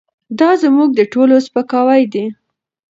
دا زموږ د ټولو سپکاوی دی.